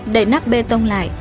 đẩy nắp bê tông lại